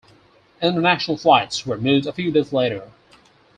International flights were moved a few days later.